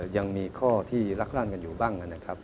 ยังมีข้อที่รักษ์ร้านอยู่บ้าง